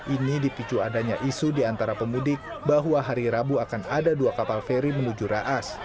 ini dipicu adanya isu di antara pemudik bahwa hari rabu akan ada dua kapal feri menuju raas